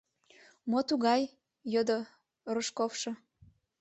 — Мо тугай? — йодо Рожковшо.